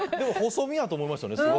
細身やと思いましたね。